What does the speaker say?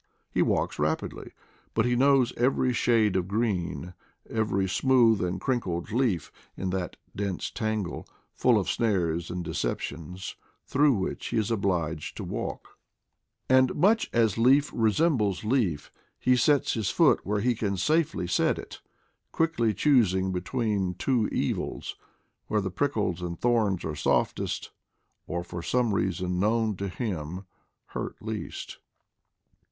He walks rapidly, but he knows every shade of green, every smooth and crinkled leaf, in that dense tangle, full of snares and deceptions, through which he is obliged to walk; and much as leaf resembles leaf, he sets his SIGHT IN SAVAGES 171 foot where he can safely set it, or, quickly choos ing between two evils, where the prickles and thorns are softest, or, for some reason known to him, hurt least.